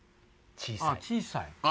小さい。